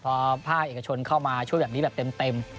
พอภาคเอกชนเข้ามาช่วยแบบนี้แบบเต็ม